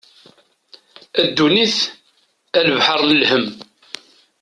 A ddunit a lebḥer n lhem.